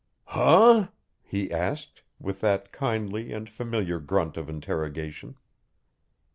'Huh?' he asked, with that kindly and familiar grunt of interrogation.